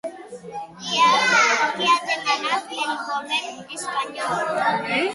Què ha demanat el govern espanyol?